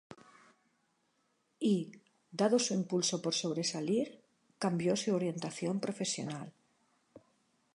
Y, dado su impulso por sobresalir, cambió su orientación profesional.